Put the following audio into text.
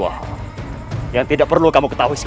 kanda prabu tidak menyadari kebohonganku